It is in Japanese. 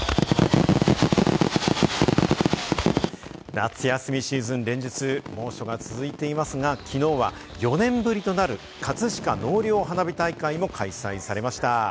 夏休みシーズン連日猛暑が続いていますが、きのうは４年ぶりとなる葛飾納涼花火大会も開催されました。